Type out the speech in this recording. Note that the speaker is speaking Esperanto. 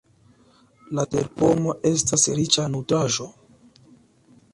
La terpomo estas riĉa nutraĵo.